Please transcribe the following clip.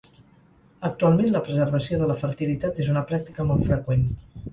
Actualment, la preservació de la fertilitat és una pràctica molt freqüent.